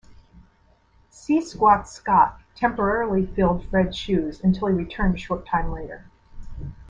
C Squat's Scott temporarily filled Fred's shoes until he returned a short time later.